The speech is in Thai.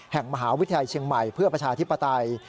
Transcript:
แห่งมหาวิทยาลัยเชียงใหม่เพื่อประชาธิปไตย